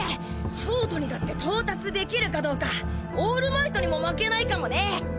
焦凍にだって到達できるかどうかオールマイトにも負けないかもね！